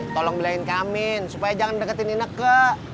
tolong bilangin ke amin supaya jangan deketin inek ke